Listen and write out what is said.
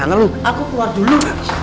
aku keluar dulu